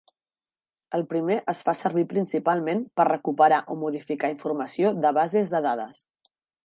El primer es fa servir principalment per recuperar o modificar informació de bases de dades.